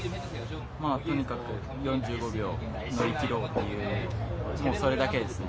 とにかく４５秒乗り切ろうという、それだけですね。